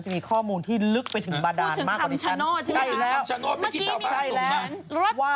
จะมีข้อมูลที่ลึกไปถึงบาร์ดานมากกว่านี้กันใช่แล้วเมื่อกี้ชาวฟ้าส่งมา